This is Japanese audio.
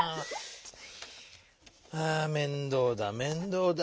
あ面倒だ面倒だ。